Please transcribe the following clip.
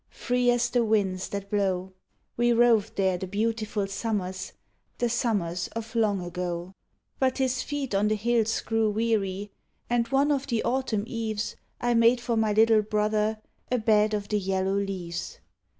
Free as the winds that blow, We roved there the beautiful summers, The summers of long ago; I Jut his feet on the hills grew weary, And, one of the autumn eves, I made for my little brother A bed of the yellow leaves.